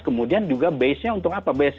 kemudian juga basenya untuk apa